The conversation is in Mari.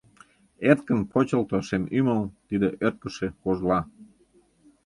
Эркын почылто шем ӱмыл, Тиде — ӧрткышӧ кожла.